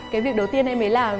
cái việc đầu tiên em ấy làm